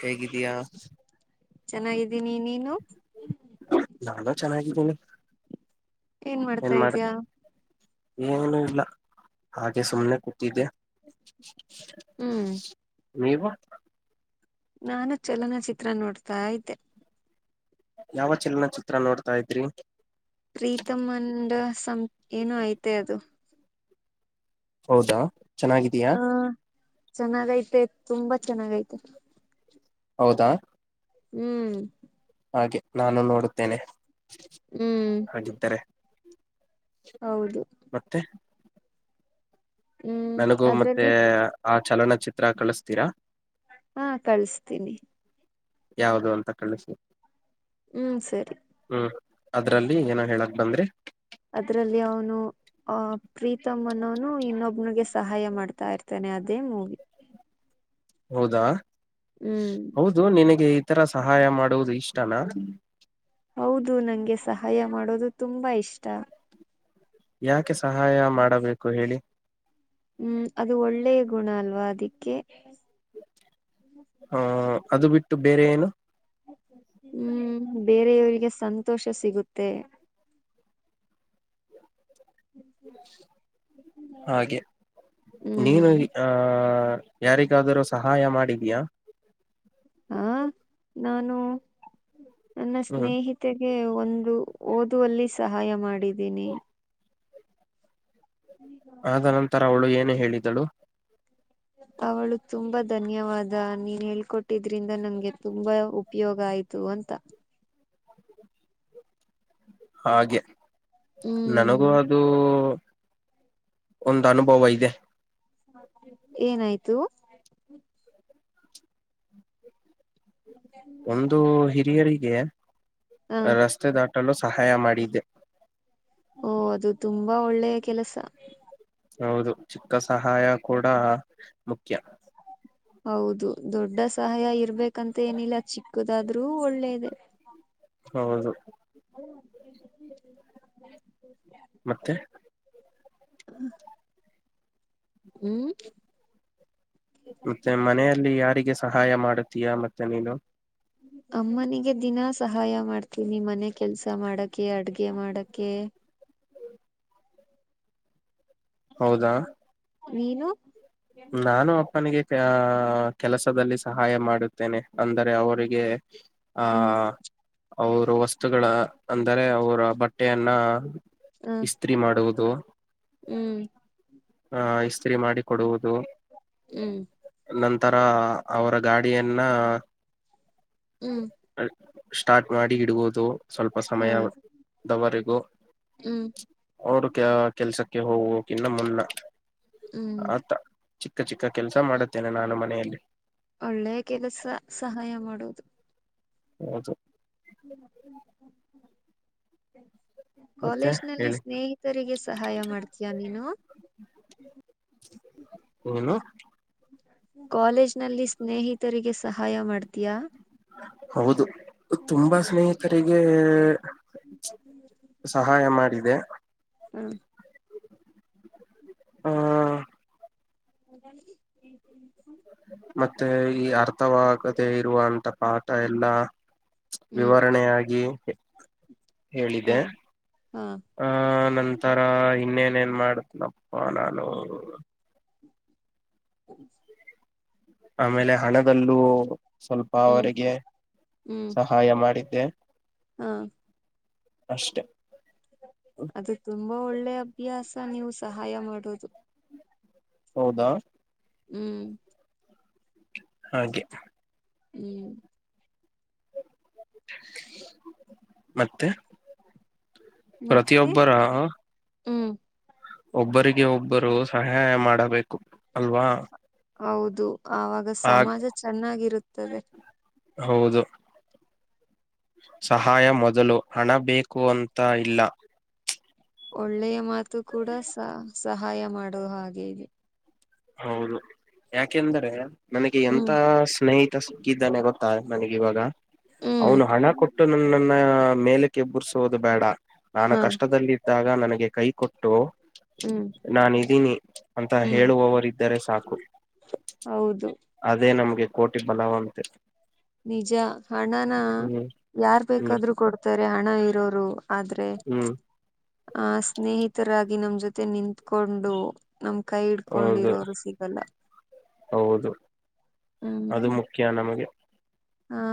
ಹೇಗಿದಾ ಚೆನ್ನಾಗಿದ್ದೀನಿ ನೀನು ಹಲ ಏನ್ ಮಾಡ್ತಾ ಇದ್ಯಾ ಏನುಇಲ್ಲ ಹಾಗೆ ಸುಮ್ನೆ ಕೂತಿದ್ದೆ ಹ್ಮ್ ನೀವು ನಾನು ಚಲನ ಚಿತ್ರ ನೋಡ್ತಾ ಐತೆೆ ಯಾವ ಚಲನಚಿತ್ರ ನೋಡ್ತಾ ಇದ್ರಿ ಪ್ರೀತಮಂದ ಸಂ ಏನು ಐ್ತ ಅದು ಹೌದಾ ಚೆನ್ನಾಗಿದೀಯಾ ಹ ಚೆನ್ನಾಗೈತೆ ತುಂಬಾ ಚೆನ್ನಾಗೈತೆ ಹೌದಾ ಹ್ಮ್ ಹಾಗೆ ನಾನು ನೋಡುತ್ತೇನೆ ಹ್ಮ್ ಹಾಗಿದ್ದರೆ ಹೌದು ಮತ್ತೆ ಹ್ಮ್ ನನಗೂ ಮತ್ತೆ ಅದ್ರಲ್ಲಿ ಆ ಚಲನಚಿತ್ರ ಕಳಿಸತೀರಾ ಹಾ ಕಳ್ಸ್ತೀನಿ ಯಾವುದು ಅಂತ ಕಳಿಸಿ ಹ್ಮ್ ಸರಿ ಹ್ಮ್ ಅದ್ರಲ್ಲಿ ಏನೋ ಹೇಳಕ್ ಬಂದ್ರರಿ ಅದ್ರಲ್ಲಿ ಅವನು ಆ ಪ್ರೀತಮ್ಮನವನು ಇನ್ನೊಬ್ನಗೆ ಸಹಾಯ ಮಾಡ್ತಾ ಇರ್ತೇಾನ ಅದೇ ಮೂಗಿ ಹೌದಾ ಹ್ಮ್ ಹೌದು ನಿನಗೆ ಇ ತರ ಸಹಾಯ ಮಾಡುವುದು ಇಷ್ಟನಾ ಹೌದು ನಂಗೆ ಸಹಾಯ ಮಾಡೋದು ತುಂಬಾ ಇಷ್ಟ ಯಾಕೆ ಸಹಾಯ ಮಾಡಬೇಕು ಹೇಳಿ ಹ್ಮ್ ಅದು ಒಳ್ಳೆಯ ಗುಣ ಅಲ್ವಾ ಅದಿಕ್ಕೆ ಹ ಅದು ಬಿಟ್ಟು ಬೇರೆ ಏನು ಹ್ಮ್ ಬೇರೆಯವರಿಗೆ ಸಂತೋಷ ಸಿಗುತ್ತೆ ಹಾಗೆ ನೀನು ಹ್ಮ್ ಆ ಯಾರಿಗಾದರೂ ಸಹಾಯ ಮಾಡಿದ್ಯಾ ಹಾ ನಾನು ನನ್ನ ಹ್ಮ್ ಸ್ನೇಹಿತರಿಗೆ ಗೆ ಒಂದು ಓದುವಲ್ಲಿ ಸಹಾಯ ಮಾಡಿದ್ದೀನಿ ಆದ ನಂತರ ಅವಳು ಏನು ಹೇಳಿದಳು ಅವಳು ತುಂಬಾ ಧನ್ಯವಾದ ನೀನ್ ಹೇಳ್ಕೊಟ್ಟಿದ್ರಿಂದ ನನ್ಗೆ ತುಂಬಾ ಉಪಯೋಗ ಆ ಆಯ್ತು ಅಂತ ಹಾಗೆ ನನಗೂ ಹ್ಮ್ ಅದು ಒಂದು ಅನುಭವ ಇದೆ ಏನಾಯ್ತು ಒಂದು ಹಿರಿಯರಿಗೆ ಹ ರಸ್ತೆ ದಾಟಲು ಸಹಾಯ ಮಾಡಿದೆ ಓ ಅದು ತುಂಬಾ ಒಳ್ಳೆಯ ಕೆಲಸ ಹೌದು ಚಿಕ್ಕ ಸಹಾಯ ಕೂಡ ಮುಖ್ಯ ಹೌದು ದೊಡ್ಡ ಸಹಾಯ ಇರ್ಬೇಕಂತ ಏನಿಲ್ಲ ಚಿಕ್ಕದಾದ್ರೂ ಒಳ್ಳೇದೆ ಹೌದು ಮತ್ತೆ ಹ ಹ್ಮ್ ಮತ್ತೆ ಮನೆಯಲ್ಲಿ ಯಾರಿಗೆ ಸಹಾಯ ಮಾಡತೀಯಾ ಮತ್ತೆ ನೀನು ಅಮ್ಮನಿಗೆ ದಿನಾ ಸಹಾಯ ಮಾಡ್ತೀನಿ ಮನೆ ಕೆಲ್ಸ ಮಾಡಕ ಅಡ್ಗೆ ಮಾಡಕ ಹ್ಮ ಹೌದಾ ವೀನು ನಾನು ಅಪ್ಪನಿಗೆ ಆ ಕೆಲಸದಲ್ಲಿ ಸಹಾಯ ಮಾಡುತ್ತೇನೆ ಅಂದರೆ ಅವರಿಗೆ ಹ್ಮ್ ಆಹ ಅವರು ವಸ್ತುಗಳ ಅಂದರೆ ಅವರ ಬಟ್ಟೆಯನ್ನ ಇಸ್ತ್ರಿ ಮಾಡುವುದು ಹ್ಮ್ ಆಹ ಇಸ್ತ್ರಿ ಮಾಡಿಕ ಕೊಡುವುದು ಹ್ಮ್ ಹ್ಮ್ ನಂತರ ಅವರ ಗಾಡಿಯನ್ನ ಹ್ಮ್ ಸ್ಟಾರ್ಟ್ ಮಾಡಿ ಇಡ್ಬೋದು ಸ್ವಲ್ಪ ಹಾ ಸಮಯದವರೆಗೂ ಹ್ಮ್ ಅವೋಡು ಕೆ ಕೆಲ್ಸಕ್ಕೆ ಹೋಗಕಿನ್ನ ಮುನ್ನ ಹ್ಮ್ ಆತ ಚಿಕ್ಕ ಚಿಕ್ಕ ಕೆಲ್ಸ ಮಾಡುತ್ತೇನೆ ನಾನು ಮನೆಯಲ್ಲಿ ಒಳ್ಳೆ ಕೆಲಸ ಸಹಾಯ ಮಾಡೋದು ಹೌದು ಹ್ಮ ಹ್ಮ ಹ ಹ್ಮ ಮತ್ತೆ ಕಾಲೇಜ್ನಲ್ಲಿ ಹೇಳಿ ಸ್ನೇಹಿತರಿಗೆ ಸಹಾಯ ಮಾಡ್ತೀಯ ನೀನು ಏನು ಕಾಲೇಜ್ನಲ್ಲಿ ಸ್ನೇಹಿತರಿಗೆ ಸಹಾಯ ಮಾಡ್ತೀಯಾ ಹೌದು ತುಂಬಾ ಹ್ಮ ಸ್ನೇಹಿತರೆ ಗೆ ಸಹಾಯ ಮಾಡಿದೆ ಹಾ ಹ್ಮ ಹೌದ ಮತ್ತೆ ಈ ಅರ್ಥವಾಗದೆೇ ಇರುವಂತ ಪಾಠ ಎಲ್ಲಾ ಹ್ಮ್ ವಿವರಣೆಯಾಗಿ ಹಾ ಹೇಳಿದೆೆ ಹಾ ಆ ನಂತರ ಇನ್ನೇ ಇನ್ನ್ ಮಾಡ್ತನಪ್ಪ ನಾನು ಸರಿ ಆಮೇಲೆ ಹಣದಲ್ಲೂ ಸ್ವಲ್ಪ ಹ್ಮ್ ಅವರಿಗೆ ಹ್ಮ್ ಸಹಾಯ ಮಾಡಿ ಕ ಹಾ ಅಷ್ಟೇ ಅದು ತುಂಬಾ ಒಳ್ಳೆ ಅಭ್ಯಾಸ ನೀವು ಸಹಾಯ ಮಾಡೋದು ಹೌದಾ ಹ್ಮ್ ಹಾಗೆ ಹ್ಮ್ ಮತ್ತೆ ಮತ್ತೆ ಪ್ರತಿಯೊಬ್ಬರ ಹ್ಮ್ ಒಬ್ಬರಿಗೆ ಒಬ್ಬರು ಸಹಾಯ ಮಾಡಬೇಕು ಅಲ್ವಾ ಹೌದು ಆವಾಗ ಆಗ್ ಸಮಾಜ ಚೆನ್ನಾಗಿರುತ್ತದೆ ಹೌದು ಸಹಾಯ ಮೊದಲು ಹಣ ಬೇಕು ಅಂತ ಇಲ್ಲ ಒಳ್ಳೆಯ ಮಾತು ಕೂಡ ಸ ಸಹಾಯ ಮಾಡುವ ಹಾಗೆ ಇ ಹೌದು ಯಾಕೆಂದ್ರೆ ನನಗೆ ಎಂತ ಹ್ಮ್ ಸ್ನೇಹಿತ ಕಿದ್ದಾನೆ ಗೊತ್ತಾ ನನಗೆ ಇವಾಗ ಹ್ಮ್ ಅವನು ಹಣ ಕೊಟ್ಟು ನನ್ನ ಮೇಲಕ್ಕೆಬುಸೋುದು ಬೇಡ ನಾನು ಹಾ ಕಷ್ಟಲ್ಲಿದ್ದಾಗ ನನಗೆ ಕೈ ಕೊಟ್ಟು ಹ್ಮ್ ನಾನ್ದೀನಿ ಅಂತ ಹ್ಮ್ ಹೇಳುವವರು ಇದ್ದರೆ ಸಾಕು ಹೌದು ಅದೇ ನಮ್ಗೆ ಕೋಟಿ ಬಲವಂತೆ ನಿಜ ಹಣನ ಹ್ಮ್ ಯಾರ್ ಹ್ಮ್ ಬೇಕಾದ್ರರು ಕೊಡ್ತಾರೆ ಹಣ ಇರೋರು ಆದ್ರೆ ಹ್ಮ್ ಆ ಸ್ನೇಹಿತರಾಗಿ ನಮ ಜೊತೆ ನಿಂತ್ಕೊಂಡು ನಮ್ ಕೈ ಹೌದು ಹಡ್ಕೊಂಡಿರೋರು ಸಿಗಲ್ಲ ಹೌದು ಹ್ಮ್ ಅದು ಮುಖ್ಯ ನಮಗೆ ಹಾ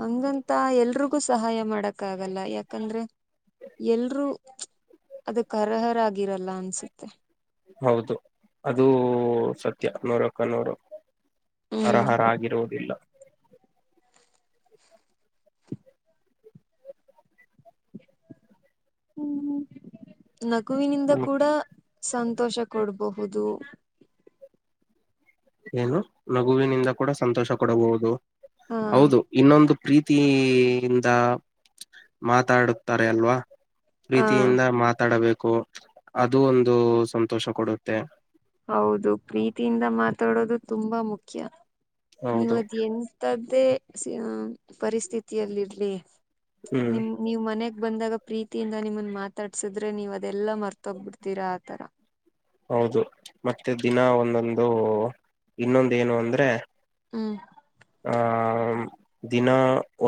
ಹಂಗಂತ ಎಲ್ರಿಗೂ ಸಹಾಯ ಮಾಡಕ್ಾಗಲ್ಲ ಯಾಕಂದ್ರೆ ಎಲ್ರುೂ ಅದಕ್ಕೆ ಅರ್ಹರಾಗಿಿರಲ್ಲ ಅನ್ಸುತ್ತೆ ಹೌದು ಅದುೂ ಸತ್ಯ ನೂರಕ್ಕ ನೂರು ಅರ್ಹರ ಆಗಿರುವುದಿಲ್ಲ ಹ್ಮ ನಗುವಿನಿಂದ ಹ್ಮ್. ಕೂಡ ಸಂತೋಷ ಕೊಡಬಹುದು ಏನು ನಗುವಿನಿಂದ ಕೂಡ ಸಂತೋಷ ಕೊಡಬಹುದು ಹಾ ಹೌದು ಇನ್ನೊಂದು ಪ್ರೀತಿಯಿಂದ ಮಾತಾಡುತ್ತಾರೆ ಅಲ್ವಾ ಹಾ ಪ್ರೀತಿಯಿಂದ ಮಾತಾಡಬೇಕು ಅದು ಒಂದು ಸಂತೋಷ ಕೊಡುತ್ತೆ ಹೌದು ಪ್ರೀತಿಯಿಂದ ಮಾತಾಡೋದು ತುಂಬಾ ಮುಖ್ಯ ಹೌದು ನೀವದ್ ಎಂಂತದ್ದೇ ಪರಿಸ್ಥಿತಿಯಲ್ಲಿರ್ಲಿ ಹ್ಮ್ ನಿಮ್ ನೀವ್ ಮನ್ ಬಂದಾಗ ಪ್ರೀತಿಯಿಂದ ನಿಮ್ಮನ್ ಮಾತಾಡ್ಸಿದ್ರೆ ನೀವ ಅದೆಲ್ಲಾ ಮರ್ತೋಗ್ಬಿಡ್ತೀರಾ ಆತರ ಹೌದು ಮತ್ತೆ ದಿನ ಒಂದೊಂದು ಇನ್ನೊಂದ ಏನು ಅಂದ್ರೆ ಹ್ಮ್ ಹ ಹ ದಿನ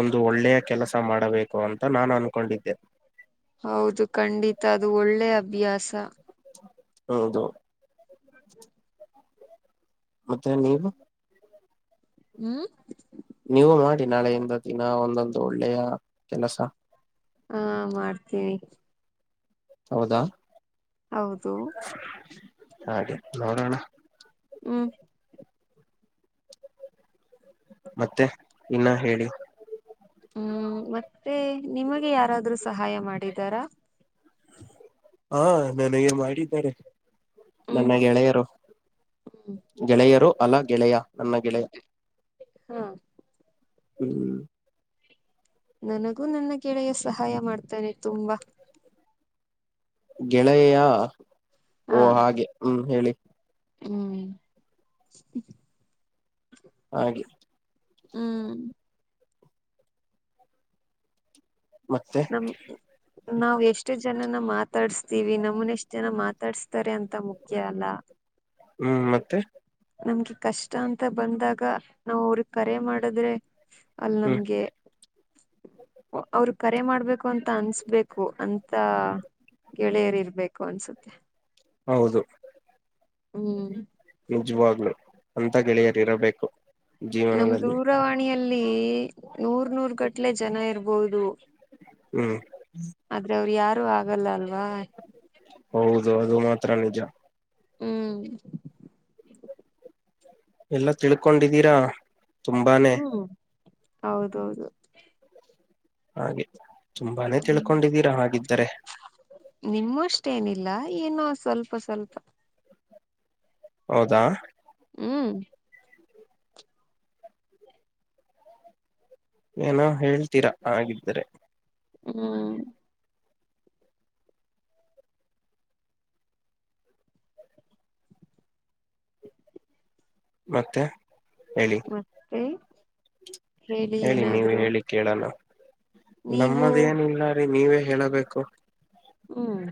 ಒಂದು ಒಳ್ಳೆಯ ಕೆಲಸ ಮಾಡಬೇಕು ಅಂತ ನಾನು ಅನ್ಕೊಂಡಿದ್ದೆ ಹೌದು ಖಂಡಿತ ಅದು ಒಳ್ಳೆ ಅಭ್ಯಾಸ ಹೌದು ಮತ್ತೆ ನೀವು ಹ್ಮ್ ನೀವು ಮಾಡಿ ನಾಳೆಯಿಂದ ದಿನ ಒಂದೊಂದು ಒಳ್ಳೆಯ ಕೆಲಸ ಹಾ ಮಾಡ್ತೀನಿ ಹೌದಾ ಹೌದು ಹಾಗೆ ನೋಡೋಣ ಹ್ಮ್ ಮತ್ತೆ ಇನ್ನ ಹೇಳಿ ಹ್ಮ್ ಮತ್ತೆ ನಿಮಗೆ ಯಾರಾದ್ರು ಸಹಾಯ ಮಾಡಿದಾರ ಹಾ ನನಗೆ ಮಾಡಿದ್ದಾರೆ ಹ್ಮ್ ನನ್ನ ಗೆಳೆಯರು ಹ್ಮ್ ಗೆಳೆಯರು ಅಲ್ಲ ಗೆಳೆಯ ನನ್ನ ಗೆಳೆಯ ಹಾ ಹ್ಮ್ ನನಗೂ ನನ್ನ ಗೆಳೆಯ ಸಹಾಯ ಮಾಡ್ತೇನೆ ತುಂಬಾ ಗೆಳೆಯೆಯ ಓ ಹಾ ಹಾಗೆ ಹ್ಮ್ ಹೇಳಿ ಹ್ಮ್ ಹಾಗೆ ಹ್ಮ್ ಮತ್ತೆ ನಮ ನಾವವು ಎಷ್ಟು ಜನ ನ್ನ ಮಾತಾಡ್ಸ್ತೀವಿ ನಮನ್ ಎಷ್ಟ್ ಜನ ಮಾತಾಡ್ಸ್ತಾರೆ ಅಂತ ಮುಖ್ಯ ಅಲ್ಲ ಹ್ಮ್ ಮತ್ತೆ ನಮ್ಗೆ ಕಷ್ಟ ಅಂತ ಬಂದಾಗ ನಾವ ಅವ್ರ ಕರೆ ಮಾಡಿದ್ರೆ ಅಲ ಹ್ಮ್ ನಮಗೆ [inaudible] ಅವ್ರ ಕರೆ ಮಾಡ್ಬೇಕು ಅಂತ ಅನ್ಸ್ಬೇಕು ಅಂತ ಗೆಳೆಯರಿ ಇರ್ಬೇಕು ಅನ್ಸುತ್ತೆ ಹೌದು ಹ್ಮ್ ನಿಜವಾಗ್ಲು ಅಂತ ಗೆಳೆಯರಿ ಇರಬೇಕು ನಮ ಜೀವನದಲ್ಲಿ ದೂರವಾಣಿಯಲ್ಲಿ ನೂರ ನೂರ ಗಟ್ಲೆ ಜನ ಇರ್ಬಹುದು ಹ್ಮ್ ಯಾರು ಆಗಲ್ಲ ಅಲ್ಲ ಹೌದು ಅದು ಮಾತ್ರ ನಿಜ ಹ್ಮ್ ಎಲ್ಲ ತಿಳ್ಕೊಂಡಿದ್ದೀರಾ ತುಂಬಾನೇ ಹ್ಮ್ ಹೌದೌದು ಹಾಗೆ ತುಂಬಾನೇ ಹ್ಮ್ ತಿಳ್ಕೊಂಡಿದ್ದೀರಾ ಹಾಗಿದ್ದರೆ ನಿಮ್ಮ ಅಷ್ಟೇನಿಲ್ಲ ಏನೋ ಸ್ವಲ್ಪ ಸ್ವಲ್ಪ ಹೌದಾ ಹ್ಮ್ ಏನೋ ಹೇಳ್ತೀರಾ ಹಾಗಗಿದ್ದರೆ ಹ್ಮ್ ಮತ್ತೆ ಹೇಳಿ ಮತ್ತೆ ಹೇಳಿ ನೀವು ಹೇಳಿ ಕೇಳಣ ನೀವು ನಮ್ಮದೇನಿಲ್ಲ ರೀ ನೀವೇ ಹೇಳಬೇಕು ಹ್ಮ್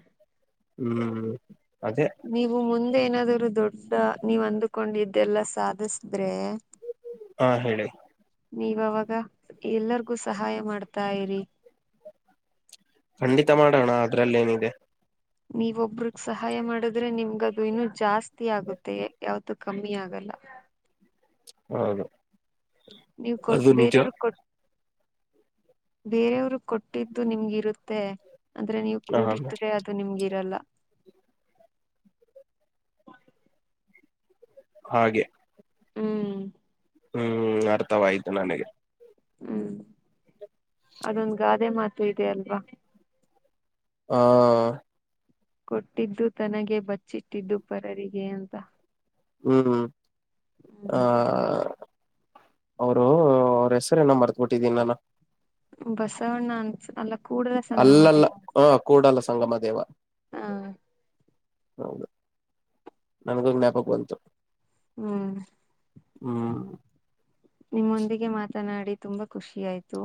ಹ್ಮ್ ಅದೇ ನೀವು ಮುಂದೆ ಏನಾದ್ರು ದೊಡ್ಡ ನೀವ ಅಂದಕೊಂಡ ಇದ್ದೆಲ್ಲಾ ಸಾಧಸಿದ್ರೆ ಹಾ ಹೇಳಿ ನೀವಾಗ ಎಲ್ಲರಿಗೂ ಸಹಾಯ ಮಾಡ್ತಾ ಇರಿ ಖಂಡಿತ ಮಾಡೋಣ ಅದ್ರಲ್ಲೇಏನಿದೆ ನೀವ ಒಬ್ರಗ ಸಹಾಯ ಮಾಡುದ್ರೆ ನಿಮ್ ಹಾಗದು ಇನ್ನು ಜಾಸ್ತಿ ಆಗುತ್ತೆಯೇ ಯಾವ್ದು ಕಮ್ಮಿ ಆಗಲ್ಲ ಹೌದು ನೀವ ಕೊಟ್ಟ ಅದು ನಿಜ ಬೇರೆಯವ್ರ ಕೊಟ್ಟ ಬೇರೆಯವರು ಕೊಟ್ಟಿದ್ದು ನಿಮ್ಗಿರುತ್ತೆ ಅಂದ್ರೆ ನೀವು ಹ ಕೂಡಿಟ್ರೆ ಅದು ನಿಮ್ಗೆರಲ್ಲ ಹಾಗೆ ಹ್ಮ್ ಹ್ಮ್ ಅರ್ಥವ ಆಯ್ತು ನನಗೆ ಹ್ಮ್ ಅದೊಂದ ಗಾದೆ ಮಾತು ಇದೆ ಅಲ್ವಾ ಹಾ ಕೊಟ್ಟಿದ್ದು ತನಗೆ ಬಚ್ಚಿಟ್ಟಿದ್ದು ಪರರಿಗೆ ಅಂತ ಹ್ಮ್ ಆ ಹ್ಮ್ ಅವರು ಅವ್ರ ಹೆಸರ ಏನ ಮರ್ತ್ಬಟ್ಟಿದ್ದೀನಿ ನಾನು ಬಸವಣ್ಣ ಅನ್ಸ ಅಲ್ಲ ಕೂಡಲ ಸಂಗಮ ಅಲ್ಲಲ್ಲ ಹ ಕೂಡಲ ಸಂಗಮ ದೇವ ಹಾ ಹೌದು ನನಗೂ ಜ್ಞಾಪಕ ಬಂತು ಹ್ಮ್ ಹ್ಮ್ ನಿಮ್ಮೊಂದಿಗೆ ಮಾತನಾಡಿ ತುಂಬಾ ಖುಷಿ ಆಯ್ತು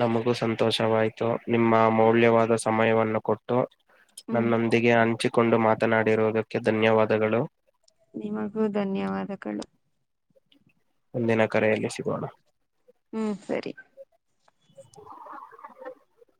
ನಮಗೂ ಸಂತೋಷವಾಯ್ತು ನಿಮ್ಮ ಮೌಲ್ಯವಾದ ಸಮಯವನ್ನು ಕೊಟ್ಟು ಹ್ಮ್ ನನ್ನೊಂದಿಗೆ ಹಂಚಿಕೊಂಡು ಮಾತನಾಡಿರುವುದಕ್ಕೆ ಧನ್ಯವಾದಗಳು ನಿಮಗೂ ಧನ್ಯವಾದಗಳು ಮುಂದಿನ ಕರೆಯಲ್ಲಿ ಸಿಗೋಣ ಹ್ಮ್ ಸರಿ [inaudible]